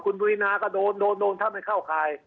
คุณบรินาก็โดนโดนถ้าไม่เข้าคลาย